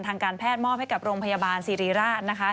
ทางการแพทย์มอบให้กับโรงพยาบาลสิริราช